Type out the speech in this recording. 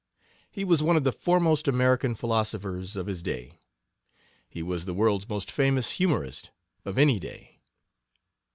He was one of the foremost American philosophers of his day; he was the world's most famous humorist of any day.